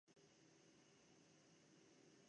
Լին իր կարիերան սկսել է որպես պոռնոաստղ։